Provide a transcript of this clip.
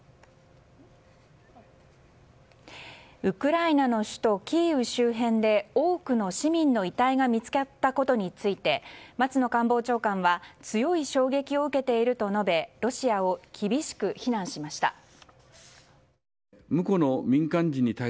ウクライナの首都キーウ周辺で多くの市民の遺体が見つかったことについて松野官房長官は強い衝撃を受けていると述べロシアを厳しく非難しました。